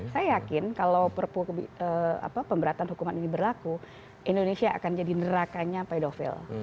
saya yakin kalau perpu pemberatan hukuman ini berlaku indonesia akan jadi nerakanya pedofil